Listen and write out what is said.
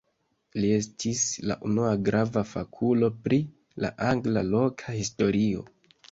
Li estis la unua grava fakulo pri la angla loka historio.